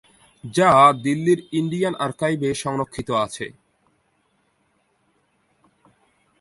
যা দিল্লির ইন্ডিয়ান আর্কাইভে সংরক্ষিত আছে।